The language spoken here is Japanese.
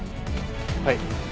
はい。